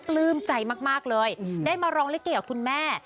ปลื้มใจมากเลยได้มาร้องลิเกกับคุณแม่